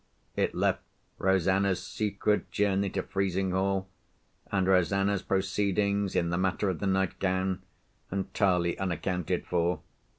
It left Rosanna's secret journey to Frizinghall, and Rosanna's proceedings in the matter of the nightgown entirely unaccounted for.